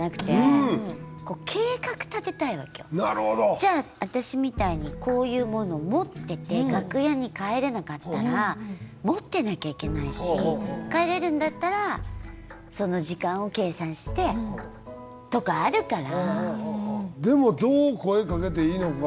じゃあ私みたいにこういうものを持ってて楽屋に帰れなかったら持ってなきゃいけないし帰れるんだったらその時間を計算してとかあるから。